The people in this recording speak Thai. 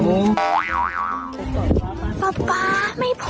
อยู่นี่หุ่นใดมาเพียบเลย